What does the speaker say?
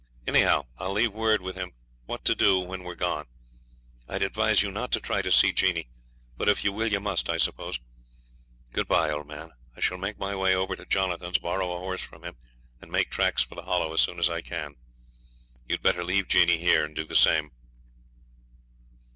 Anyhow I'll leave word with him what to do when we're gone. I'd advise you not to try to see Jeanie; but if you will you must, I suppose. Good bye, old man. I shall make my way over to Jonathan's, borrow a horse from him, and make tracks for the Hollow as soon as I can. You'd better leave Jeanie here and do the same.'